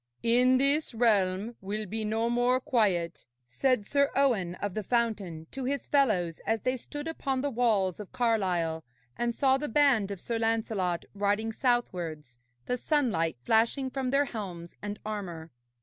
'In this realm will be no more quiet,' said Sir Owen of the Fountain to his fellows as they stood upon the walls of Carlisle and saw the band of Sir Lancelot riding southwards, the sunlight flashing from their helms and armour.